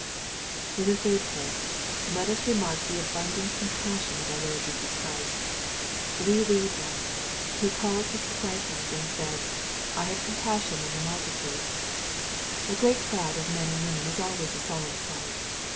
In the third place, let us remark th& ahundant com^ passion of our Lord Jesits Christ, We read that " He called His disciples and said, I have compassion on the multitude.'' A great crowd of men and women is always a solemn sight.